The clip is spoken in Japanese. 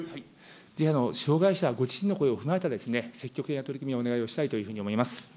ぜひ、障害者ご自身の声を踏まえた積極的な取り組みをお願いをしたいというふうに思います。